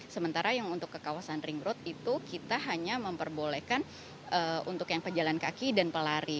sementara yang untuk ke kawasan ring road itu kita hanya memperbolehkan untuk yang pejalan kaki dan pelari